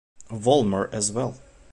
Vollmer as well.